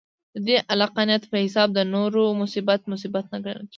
د دې عقلانیت په حساب د نورو مصیبت، مصیبت نه ګڼل کېږي.